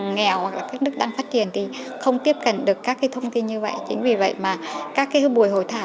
nghèo hoặc là các nước đang phát triển thì không tiếp cận được các cái thông tin như vậy chính vì vậy mà các cái buổi hội thảo